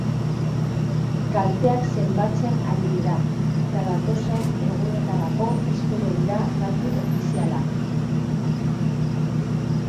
Kalteak zenbatzen ari dira, eta datozen egunetarako espero dira datu ofizialak.